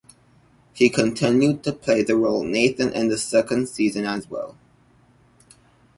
He continued to play the role "Nathan" in the second season as well.